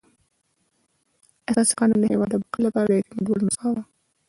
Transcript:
اساسي قانون د هېواد د بقا لپاره د اعتماد وړ نسخه وه.